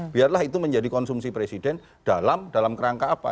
biarlah itu menjadi konsumsi presiden dalam kerangka apa